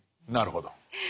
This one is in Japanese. なるほど。